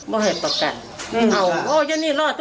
เดี๋ยวบอกเราร้านโน่ยวาศัยแย่งวิเวณยุนีเรื่องรา